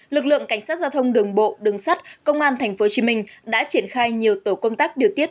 lực lượng cảnh sát giao thông đường bộ đường sắt công an tp hcm đã triển khai nhiều tổ công tác điều tiết